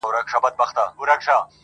دردونه څنګه خطاباسې د ټکور تر کلي!.